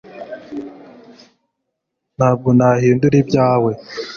ntabwo nahindura ibyawe